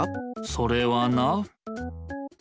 それはな。